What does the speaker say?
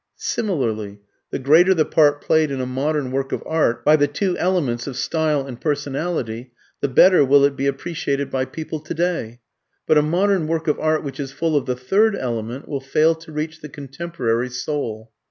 Similarly the greater the part played in a modern work of art by the two elements of style and personality, the better will it be appreciated by people today; but a modern work of art which is full of the third element, will fail to reach the contemporary soul.